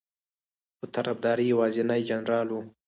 په طرفداری یوازینی جنرال ؤ